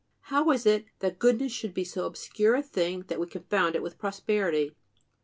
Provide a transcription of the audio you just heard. How is it that goodness should be so obscure a thing that we confound it with prosperity?